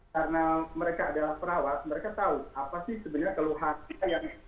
karena mereka adalah perawat mereka tahu apa sih sebenarnya keluhannya yang